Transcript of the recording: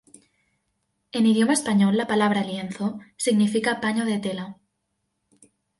En idioma español, la palabra "lienzo" significa paño de tela.